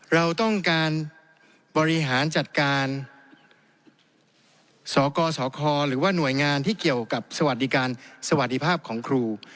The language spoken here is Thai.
เราต้องการบริหารจัดการสกสคหรือว่าหน่วยงานที่เกี่ยวกับสวัสดิการสวัสดีภาพของครู